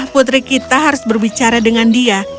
putri kita harus berbicara dengan dia